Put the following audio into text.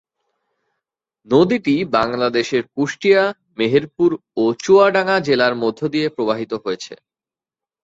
নদীটি বাংলাদেশের কুষ্টিয়া, মেহেরপুর ও চুয়াডাঙ্গা জেলার মধ্য দিয়ে প্রবাহিত হয়েছে।